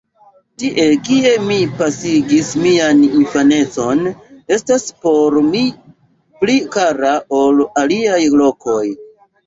Tie, kie mi pasigis mian infanecon, estas por mi pli kara ol aliaj lokoj.